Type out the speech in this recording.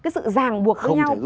sự ràng buộc với nhau